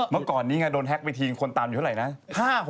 เมื่อก่อนนี้ไงโดนแฮ็กไปทิ้งคนตามอยู่เท่าไหร่นะ